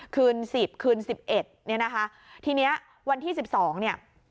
คืน๑๐คืน๑๑เนี่ยนะคะทีนี้วันที่๑๒เนี่ย